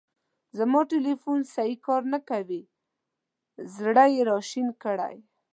زما تیلیفون سیی کار نه کوی. زړه یې را شین کړی.